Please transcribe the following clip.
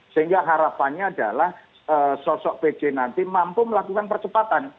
sehingga harapannya adalah sosok pj nanti mampu melakukan percepatan